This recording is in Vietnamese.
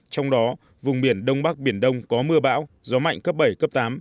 trong đó vùng biển đông bắc biển đông có mưa bão gió mạnh cấp bảy cấp tám